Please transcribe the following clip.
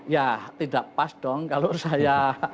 ya tidak pas dong kalau saya